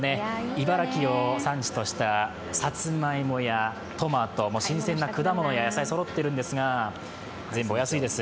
茨城を産地としたさつまいもやトマト、新鮮な果物や野菜がそろっているんですが全部お安いです。